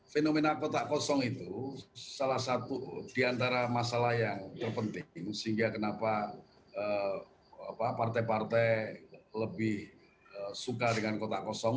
fenomena kotak kosong itu salah satu diantara masalah yang terpenting sehingga kenapa partai partai lebih suka dengan kotak kosong